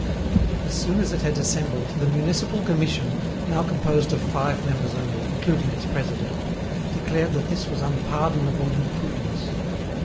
As soon as it had assembled, the Municipal Commission, now composed of five members only, including its president, declared that this was unpardonable imprudence.